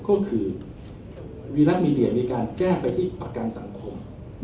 ก็คือวีรักมีเดียในการแจ้งไปที่ประกันสังคม